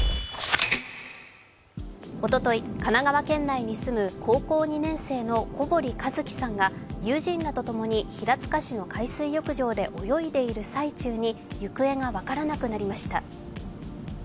おととい、神奈川県内に住む高校２年生の小堀一騎さんが友人らとともに平塚市の海水浴場で泳いでいる最中に行方が分からなくなりました。